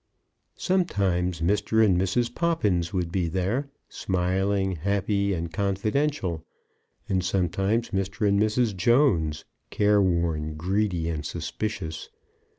Sometimes Mr. and Mrs. Poppins would be there smiling, happy, and confidential; and sometimes Mr. and Mrs. Jones careworn, greedy, and suspicious.